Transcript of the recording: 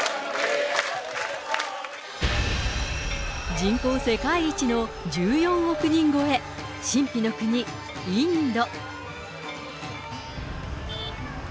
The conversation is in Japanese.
人口世界一の１４億人超え、神秘の国、インド。